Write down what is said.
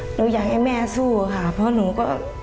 หนูอยากให้แม่สู้ค่ะเพราะหนูก็